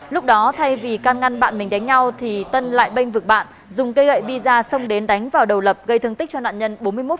lúc đó thay vì can ngăn bạn mình đánh nhau thì tân lại bênh vực bạn dùng cây gậy visa xông đến đánh vào đầu lập gây thương tích cho nạn nhân bốn mươi một